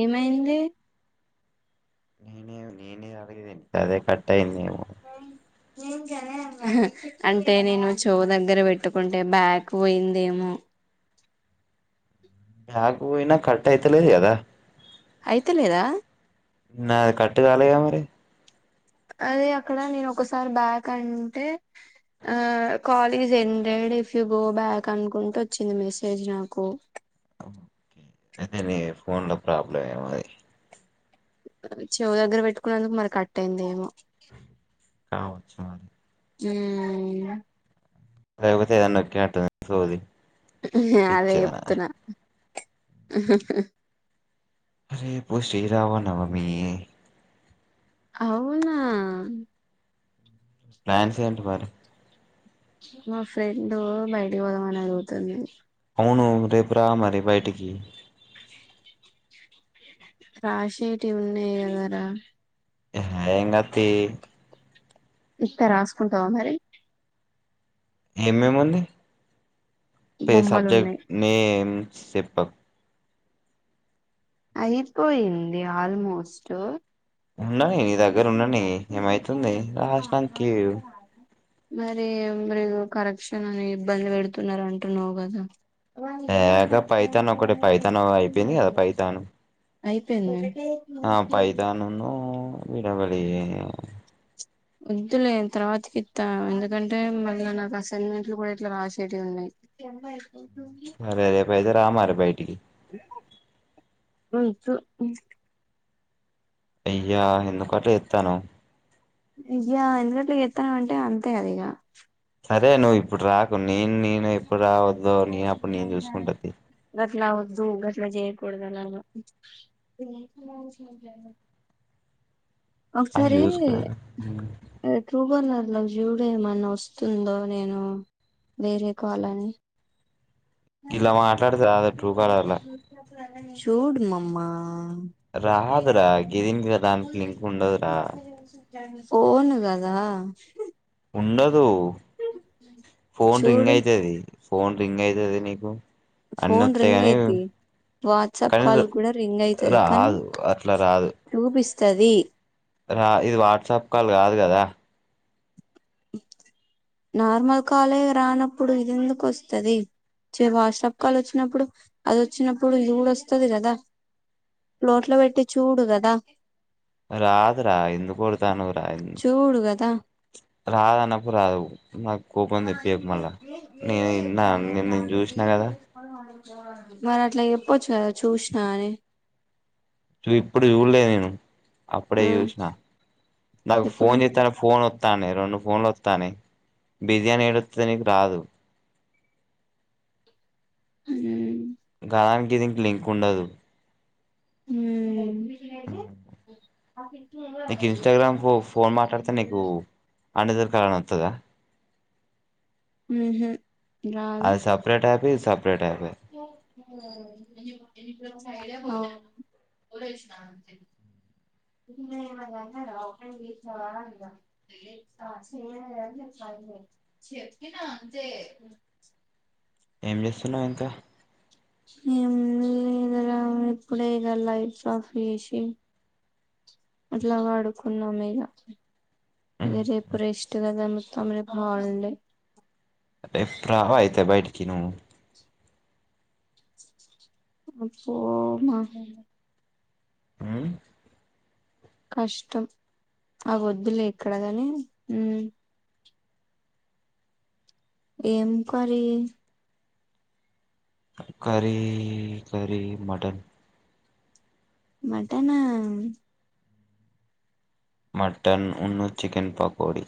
ఏమైంది నేనే నేనే అలాగేని అదే కట్టాయింది అంటే నేను చో దగ్గర పెట్టుకుంటే బ్యాక్ పోయిందేమో ఆ్యాగు ఇన్న కట్ అయితలేది అదా అయితే లేదా నాది కట్ కాలేగా మరి అదే అక్కడ నేను ఒకసారి బ్యాక్ అంటే ఆ call is ended if you go back అనుకుంటూ వచ్చింది మెసేజ్ నాకు ఓకే అయితే నీ ఫోన్ ల ప్రాబ్లం ఏమది చెవు దగ్గర పెట్టుకునేందుకు మరి కట్ అయింది ఏమో కావచ్చు మరి ఉమ్ లేపోతే ఏదన్న నొక్కినాటుంది చెవుది నే అదే చెప్తున్నా ఆాా రేపు శ్రీరామనవమి అవునా ప్లాన్స్ ఏంటి మరి మా ఫ్రెండ్ బయటికి పోదామని అడుగుతుంది అవును రేపు రా మరి బయటికి రాషెటి ఉన్నాయి గదరా ఎహే ఎంగాదు తి ఇత్తే రాసుకుంటవా మరి ఏమేముంది పే బొమ్మలు సబ్జెక్ట్ ఉన్నాయి నేమ్ సిప్పప్ అయిపోయింది ఆల్మోస్ట్ ఉండని నీ మోజీ దగ్గర బిసి ఉండని ఉండె సి జి సి అని ఏమైతుంది చెప్తున్న రాసినంక అట్లాంటున మరి మరి ఇగో కరెక్షన్ అని ఇబ్బంది పెడుతున్నారు అంటున్నావు కదా ఏ గా పైతాను ఒకటె పైతాను అయిపోయింది కదా పైతాను అయిపోయింద ఆ పైథాన్ ఉన్ను విడోకటి వద్దులే తర్వాతకి ఇత్త ఎందుకంటే మళ్ళ నాకు అసైన్మెంట్లు కూడా ఇట్లా రాసేటీయి ఉన్నాయి సరే రేప్ అయితే రా మరి బైటికి వద్దు అయ్యా ఎందుకట్లా చేతన్నావ్ అయ్యా ఎందుకు అట్లా చేత్తన్నావ్ అంటే అంతే అది ఇగ సరే నువ్ ఇప్ ఇప్పుడు రాకు నేను నేను ఎప్పుడు రావద్ద్దో నేను అప్పుడు నేను చూసుకుంట తీ కొడతా నన్ను అది ఒకసారి చూసుకునే ట్రూకాలర్ల జూడు ఏమన్నా వస్తుందో నేను వేరే కాల్ అని గిల్ల మాట్లాడితే రాదే ట్రూకాలర్ల చూడు మమ్మ రాదురా గీదినికి దానికి లింక్ ఉండదురా పోను కదా అ ఫోన్ రింగ్ చూడు అయితది ఫోన్ రింగ్ అయితది నీకు అన్ని ఫోన్ వత్తాయి రింగ్ కాని అయితడి వాట్సాప్ కానీ కాల్ కూడా రింగ్ అయితది కానీ రాదు అట్లా రాదు చూపిస్త వస్తది రా ఇది వాట్సాప్ కాల్ కాదు కదా నార్మల్ కాలే రానప్పుడు ఇది ఎందుకు వస్తది వాట్సాప్ కాల్ వచ్చినప్పుడు అది వచ్చినప్పుడు ఇదికూడా డ వస్తది కదా మ్యూట్ లో పెట్టి చూడు కదా రాదు రా ఎందుకు ఓరుతన్నవ్ రా ఇ చూడు కదా రాదన్నప్పుడు రాదు నాకు కోపం తెప్పియకు మళ్ళా నేను నిన్న నేను చూసినా కదా మరి అట్లా చెప్పొచ్చు కదా చూసినా అని చ ఇప్పుడు చూడలే నేను అప్పుడే ఆ చూసిన నాకు ఎప్పుడు ఫోన్ చెత్త టె ఫోన్ రెండు ఫోన్లు అత్తన్నాయి బిజి అని ఏడ అత్తది నీకు రాదు ఉమ్ దానికి దీనికి లింక్ ఉండదు ఉమ్ నీకు ఇన్స్టాగ్రామ్ ఫో తల నోత్తదా ఊహు అది సపరేట్ ఆప్ ఇది సపరేట్ యాప్ అవును ఏం చేస్తున్నావ్ ఇంకా మేము ఇద ఇప్పుడే ఇద లైట్స్ ఆఫ్ చేసి అట్లా పడుకున్నాం ఇగ ఇగ రేపు రేస్టుగాదన తమర రేప్ హాలిడే అేప్పు రావాయితే బైటికి నువ్వు అపో మా హూ కష్టం ఆ వద్దులే ఇక్కడగాని ఉ ఏం curry curry curry mutton mutton ఆ మటన్ ఉన్న చికెన్ పకోడి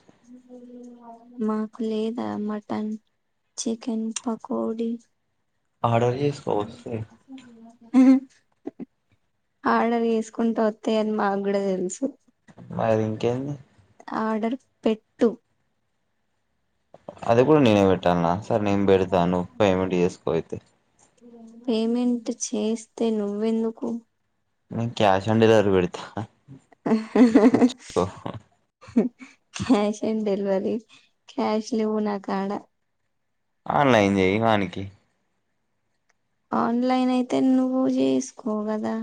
మాకు లేదా మటన్ చికెన్ పకోడి ఆర్డర్ చేసుకో వస్తాయి ఆర్డర్ తీసుకుంటూ ఒత్తయి అని మాకు కూడా తెలుసు మారి ఇంకేంది ఆర్డర్ పెట్టు అది కూడా నేనెపెడ పెట్టాల సార్ నేను పెడతా నువ్వు పేమెంట్ చేసుకోయితే పేమెంట్ చేస్తే నువ్వెందుకు నేను క్యాష్ ఆన్ డెలివరీ పెడతా ఇచ్చుకో క్యాష్ ఆన్ డెలివరీ క్యాష్ లేవు నా కాడా ఆన్లైన్ చేయి వానికి ఆన్లైన్ అయితే నువ్వు చేసుకోగదా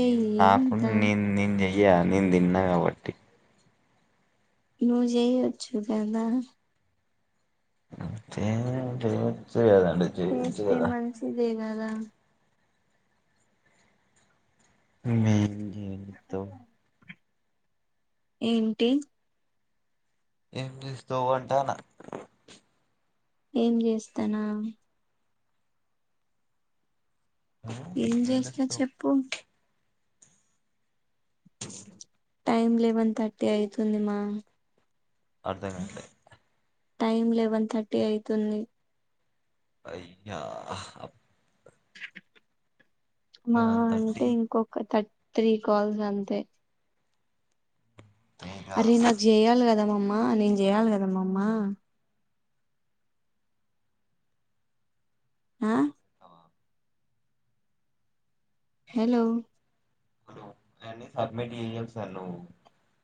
నేను నాకు న నేను చెయ య్యా నేను తిన్నా కాబట్టి నువ్వు చేయొచ్చు కదా పేమెంటు చేయొచ్చు కదా చేయొచ్చు వేస్తే మంచిది గదా హు హు ఏమి తో ఏంటి ఏం చేస్తా అంటానా ఏం చేస్తానా ఏం చేస్తినా చెప్పు టైమ్ లెవెన్ థర్టీ అయితుందిమ్మా అర్ధ కే టైమ్ లెవెన్ థర్టీ అయితుంది అయ్యా మా వన్ అంటే థర్టీ ఇంకొక థర్ త్రీ కాల్స్ అంతే ఏం అరే కాదు నాకు చేయాలి కదా మమ్మ నేను చేయాలి కదమ్మమ్మ ఆ హలో హలో ఎన్ని సబ్మిట్ చేయ్య సను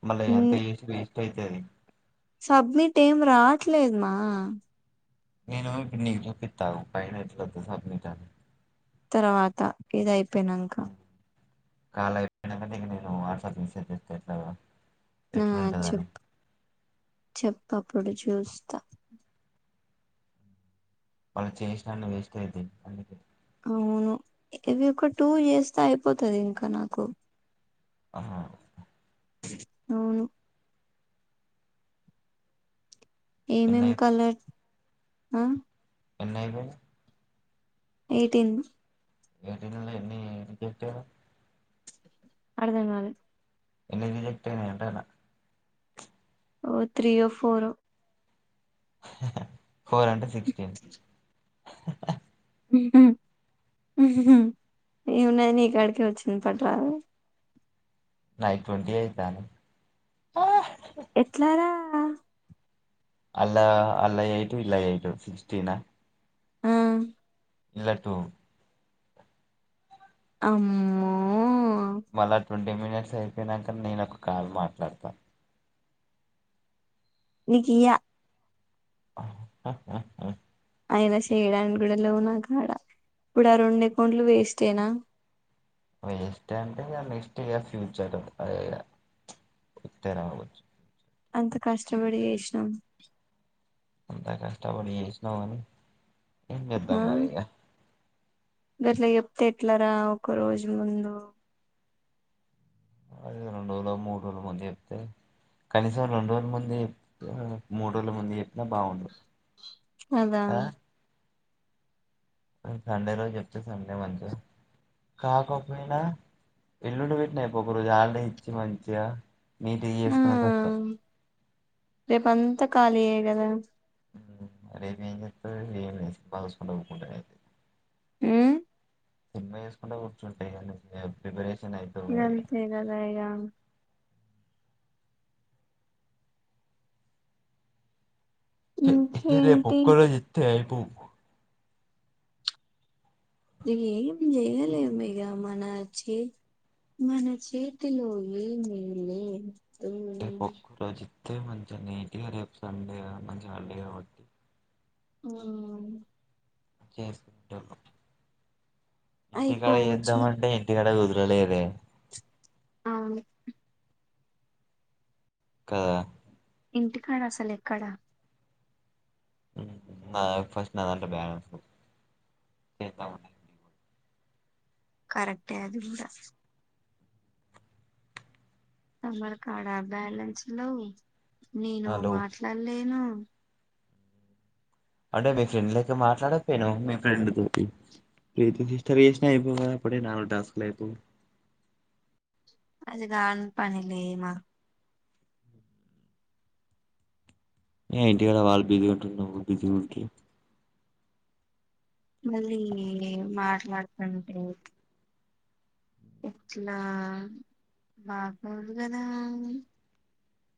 మళ్ళ ఎంత చేసి వేస్ట్ అయితది సబ్మిట్ ఏం రాట్లేదమా నేను నీకు చూపిత్త ఆగు పైన ఎట్లా సబ్మిట్ అని తర్వాత ఇదయిపో పెినంక కాల్ అయిపోయినాక నేను నీకు వాట్సాప్ మెసేజ్ చేస్తా ఎట్లా [unintelligible] ఆ ఎట్లుంటదని చెప్పు చెప్పు అప్పుడు చూస్తా వాళ్ళు చేసినన్ని వేస్ట్ అయితయి అందుకే అవును ఇవి ఒక టూ ఇయర్స్ తొ అయిపోతది ఇంక నాకు ఆహ అవును ఎన్ని ఏమేమ్ అయిపోయి కలర్ ఆ ఎన్నయిపోయినయి ఎయిటీన్ ఏటి ఎ ఏంటి [unintelligible] అర్ధం కాలే ఎ ఇనే ఏంటనా [unintelligible] ఓ త్రీయొ ఫోరో హ్ హ్ ఫోర్ అంటే సిక్స్టీన్ హ్ హ్హ్హ్ ఏమున్నది నీ కాడికే వచ్చింది పట్రాదు నాయి ట్వంటీ అయితానాయి ఎట్లారా అలా ఆలయి ఎయిట్ ఈలయి ఎయిట్ సిక్స్టీనా ఆ ఇలా టూ అమ్మో మళ్లా ట్వంటీ మినిట్స్ అయి పొయినాక నేను ఒక కాల్ మాట్లాడతా నీకీయ ఆ అయినా చేయడానికి కూడా లేవు నా కాడ ఇప్పుడు ఆ రెండు అకౌంట్లు వేస్టేనా వేస్ట్ అంటే ఇగ నెక్స్ట్ ఇక ఫ్యూచర్ అదే ఇక వస్తే రావచ్చు ఎంత కష్టపడి చేసినాం ఎంత కష్టపడి చేసినవని ఏం ఆ చేద్దాం మరిఇగ గట్లా చెప్తే ఎట్లార ఒక రోజు ముందు అదేదో రెండు రోజులొ మూడు రోజుల ముందు చెప్తే కనీసం రెండు రోజుల ముందు చెప్ మూడు రోజుల ముందు చెప్పినా బాగుండు అదా కదా సండే రోజు చెప్తే సండే మంచిగా కాకపోయినా ఎల్లుండి పెట్టినా అయిపోవు ఒక రోజు హాలిడే ఇచ్చి మంచిగా మీ తె చేసుకునేటట్లు రేపు అంతా ఖాళీయే కదా అరేవిపాగా సంట కూడదు [unintelligible] ఆ సినిమా చేసుకుంటే కూర్చుంటే ఇగ ప్రిపరేషన్ అయితది అంతే కదా ఇగ తే రేపు ఇంకేంటి ఒక్క రోజు ఇత్తే పు ఏం చేయలేము ఇగ మన చే మన చేతిలో ఏమీ లే తే ఒక్క రోజే తెమంతే నీకి రేప్ సండే కదా కొంచం మండే అడటి [unintelligible] ఆ చేస్తారు ఇంటికాడ అయిపోవచ్చు చేద్దామంటే ఇంటికాడ కుదుర్ టారెరే ఆ కాదా ఇంటికాడ అసలు ఎక్కడ ఆ ఫస్ట్ దాంట్లో బ్యాలన్సు యెతావా కరెక్టే అది కూడా తమరా కాడా బ్యాలెన్స్ లో నేను హలో మాట్లాలేను అ అంటే మీ ఫ్రెండ్ లెక్క మాట్లాడపోయానావ మీ ఫ్రెండ్ తోటి ప్రీతి సిస్టర్ చేసినా అయిపోవా అప్పుడే నాలుగు టాస్కులు అయిపోవ్ అది దాని పని లే మా ఏ ఇంటి కదా వాళ్ళు బిజీ ఉంటరు నువ్ బిజి ఓకే మళ్ళీ మ వాతంటే ఎట్లా బాగదు కదా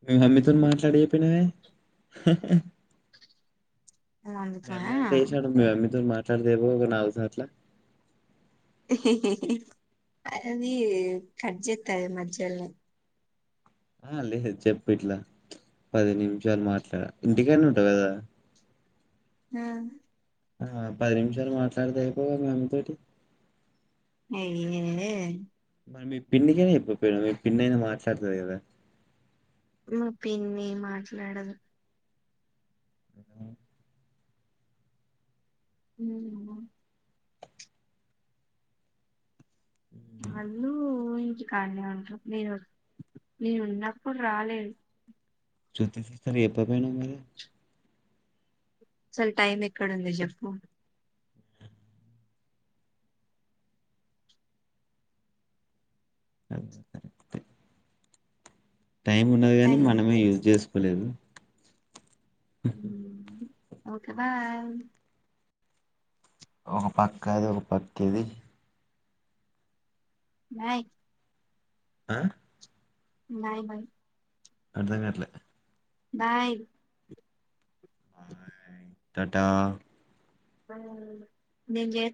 మీ మమ్మితో మాట్లాడికపోయినావే హు హు అందుకా మైమ్యా తెసానడు మీ మమ్మీతో మా తరదేవో నావుసనట్ల తే హే హే హి అది కట్ చెత్తది మా చెల్లె ఆ లేదు చెప్పు ఇట్లా పది నిమిషాలు మాట్లాడ ఇంటికనే ఉంటావు కదా ఆ ఆ పది నిమిషాలు మాట్లాడతే అయిపోవ్గ మనతోటి అయియుయురే మరి మీ పిన్నికి కైనా చొప్పగా పోయినవా మీ పిన్ని అయినా మాట్లాడతాది కదా మా పిన్ని మాట్లాడద్ అ ఊ [unintelligible] ఆళ్ళు కానే ఉంట నేను నేను ఉన్నప్పుడు రాలేద్ చూత్తే చూత్తరు ఏప్పపోయినవ్ మరి అసల్ టైమ్ ఎక్కడ ఉంది జొప్పు అ సరే టైం ఉన్నది కాని టైం మనమే యూజ్ చేసుకోలేదు అఓ ఓకే బాయ్ ఒక పక్క అది, ఒక పక్క ఇది నయి ఆ నాయి భై అర్ధంకట్లే, బాయ్ బాయ్, టా టా పోనీ నీజే